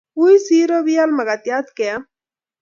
Wui siro pial makatiat keam